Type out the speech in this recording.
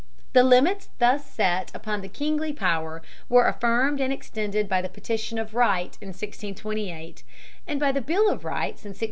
The limits thus set upon the kingly power were affirmed and extended by the Petition of Right of 1628 and by the Bill of Rights of 1689.